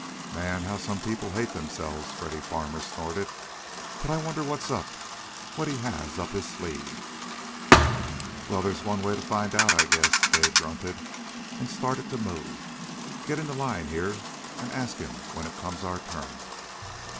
"Man! How some people hate themselves!" Freddy Farmer snorted. "But I wonder what's up; what he has up his sleeve?" "Well, there's one way to find out, I guess," Dave grunted, and started to move. "Get into line, here, and ask him when it comes our turn."